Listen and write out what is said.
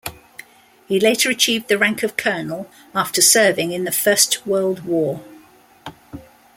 He later achieved the rank of colonel after serving in the First World War.